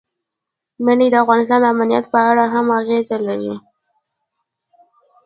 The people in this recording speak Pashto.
منی د افغانستان د امنیت په اړه هم اغېز لري.